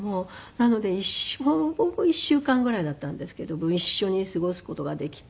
なのでほぼほぼ１週間ぐらいだったんですけども一緒に過ごす事ができて。